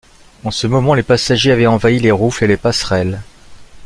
En ce moment, les passagers avaient envahi les roufles et les passerelles.